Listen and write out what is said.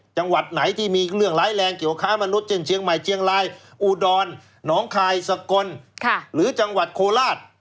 จังหวัดไหนที่มีเรื่องร้ายแรงเกี่ยวค้ามนุษย์เช่นเชียงใหม่เชียงรายอุดรหนองคายสกลหรือจังหวัดโคราช